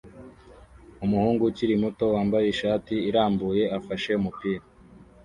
Umuhungu ukiri muto wambaye ishati irambuye afashe umupira